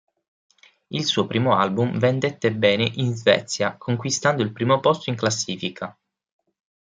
Il suo primo album vendette bene in Svezia, conquistando il primo posto in classifica.